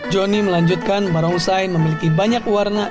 joni melanjutkan para usai memiliki banyak warna